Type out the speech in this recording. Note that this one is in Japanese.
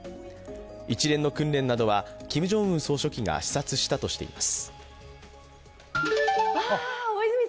一連の訓練などはキム・ジョンウン総書記が視察したとしています。